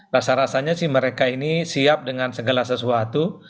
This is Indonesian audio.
rasa rasanya sih mereka ini siap dengan segala sesuatu